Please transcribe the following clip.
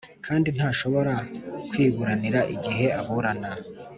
kandi ntashobora kwiburanira igihe aburana